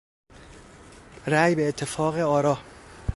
رای به اتفاق آرا